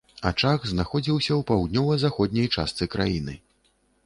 Ачаг знаходзіўся ў паўднёва-заходняй частцы краіны.